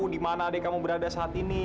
dimana deh kamu berada saat ini